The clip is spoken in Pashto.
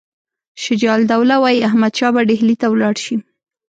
شجاع الدوله وایي احمدشاه به ډهلي ته ولاړ شي.